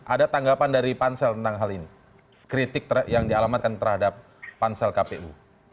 ada tanggapan dari pansel tentang hal ini kritik yang dialamatkan terhadap pansel kpu